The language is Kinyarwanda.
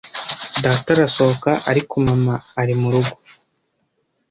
Data arasohoka, ariko Mama ari murugo